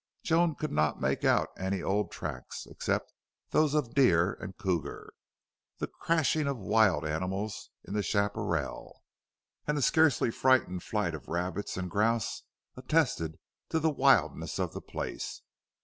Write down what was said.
Joan could not make out any old tracks, except those of deer and cougar. The crashing of wild animals into the chaparral, and the scarcely frightened flight of rabbits and grouse attested to the wildness of the place.